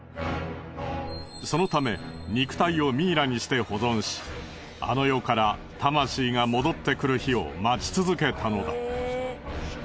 そのため肉体をミイラにして保存しあの世から魂が戻ってくる日を待ち続けたのだ。